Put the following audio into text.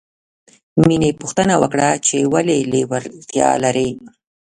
مینې پوښتنه وکړه چې ولې لېوالتیا لرې